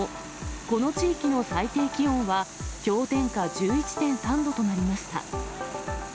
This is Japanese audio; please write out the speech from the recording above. この地域の最低気温は氷点下１１．３度となりました。